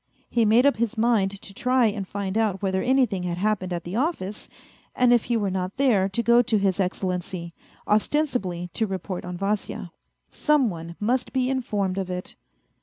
He made up his mind to try and find out whether anything had happened at the office, and if he were not there to go to His Excellency, ostensibly to report on Vasya. Some one must be informed of it.